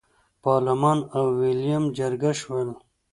پارلمان او ویلیم جرګه شول.